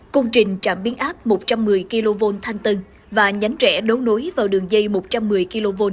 công trình trạm biến áp một trăm một mươi kv thanh tân và nhánh rẽ đấu nối vào đường dây một trăm một mươi kv